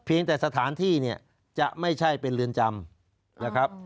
แต่สถานที่เนี่ยจะไม่ใช่เป็นเรือนจำนะครับ